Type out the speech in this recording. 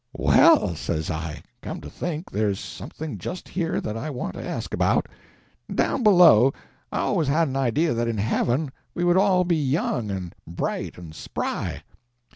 "Well," says I, "come to think, there's something just here that I want to ask about. Down below, I always had an idea that in heaven we would all be young, and bright, and spry."